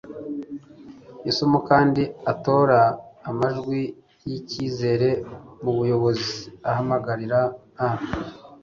isomo kandi atora amajwi yicyizere mubuyobozi ahamagarira a